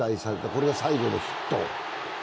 これが最後のヒット。